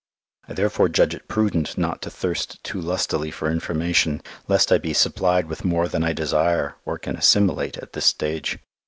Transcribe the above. I therefore judge it prudent not to thirst too lustily for information, lest I be supplied with more than I desire or can assimilate at this stage.